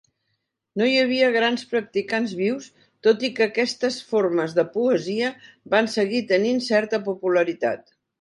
No hi havia grans practicants vius, tot i que aquestes formes de poesia van seguir tenint certa popularitat.